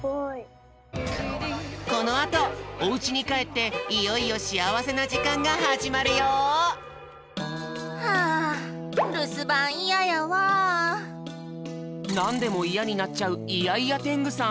このあとおうちにかえっていよいよしあわせなじかんがはじまるよ！はあなんでもイヤになっちゃうイヤイヤテングさん。